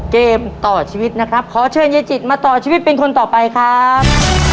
เกมต่อชีวิตนะครับขอเชิญยายจิตมาต่อชีวิตเป็นคนต่อไปครับ